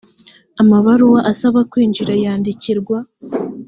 amabaruwa asaba kwinjira yandikirwa